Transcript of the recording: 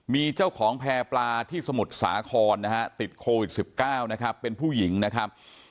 มีเจ้าของแพร่ปลาที่สมุทรสาครนะฮะติดโควิด๑๙นะครับเป็นผู้หญิงนะครับ